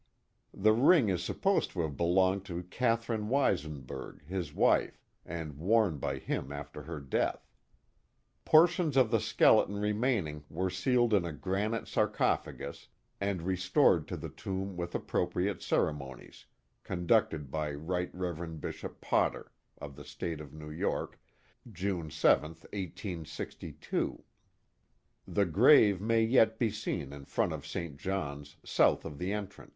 The ring is supposed to have belonged to Catherine Weisenburg, his wife, and worn by him after her death. Portions of the skeleton remaining were sealed in a granite sarcophagus, and restored to the tomb with appropriate ceremonies conducted by Right Rev. Bishop Potter, of the State of New York, June 7, 1862. The grave may yet be seen in front of St. John's south of the entrance.